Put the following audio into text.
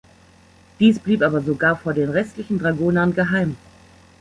Dies blieb aber sogar vor den restlichen Dragonern geheim.